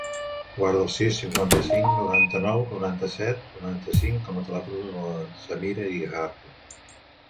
Guarda el sis, cinquanta-cinc, noranta-nou, noranta-set, noranta-cinc com a telèfon de la Samira Guijarro.